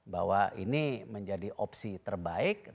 bahwa ini menjadi opsi terbaik